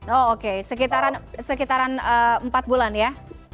oh oke sekitaran empat bulan ya